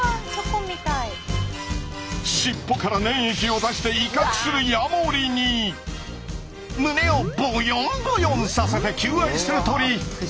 尻尾から粘液を出して威嚇するヤモリに胸をボヨンボヨンさせて求愛する鳥！